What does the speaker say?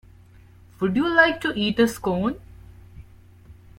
Would you like to eat a Scone?